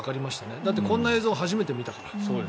だってこんな映像初めて見たから。